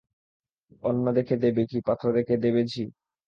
অন্ন দেখে দেবে ঘি, পাত্র দেখে দেবে ঝি।